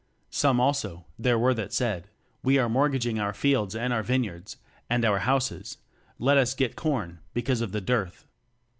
"Some also there were that said, We are mortgaging our fields and our vineyards, and our houses: let us get corn, because of the dearth.